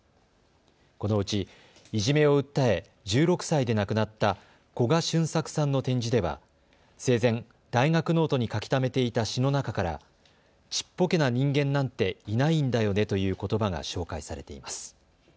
このうち、いじめを訴え１６歳で亡くなった古賀洵作さんの展示では生前、大学ノートに書きためていた詩の中からちっぽけな人間なんていないんだよねということばが紹介されています。